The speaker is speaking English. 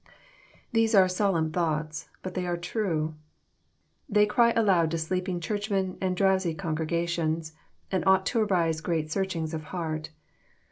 These are solemn thoughts ; but they are true. They cry aloud to sleeping Churchmen and drowsy congrega tions, and ought to arouse great searchings of heart.